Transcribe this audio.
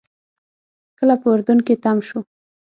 کله به اردن کې تم شو.